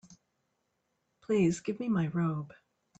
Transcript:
Please give me my robe.